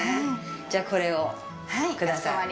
じゃあ、これをください。